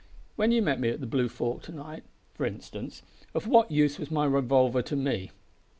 When you met me at the Blue Fork to night, for instance, of what use was my revolver to me?